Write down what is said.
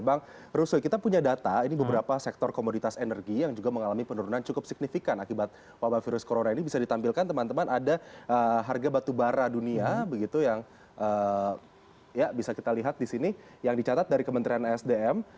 bang ruswe kita punya data ini beberapa sektor komoditas energi yang juga mengalami penurunan cukup signifikan akibat wabah virus corona ini bisa ditampilkan teman teman ada harga batubara dunia begitu yang ya bisa kita lihat di sini yang dicatat dari kementerian sdm